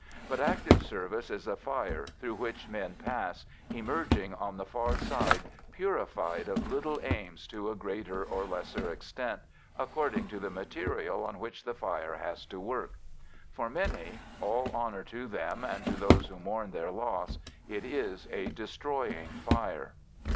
But active service is a fire through which men pass, emerging on the far side purified of little aims to a greater or less extent, according to the material on which the fire has to work. For many all honour to them and to those who mourn their loss it is a destroying fire.